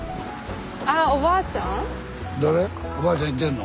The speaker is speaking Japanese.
おばあちゃんいてんの？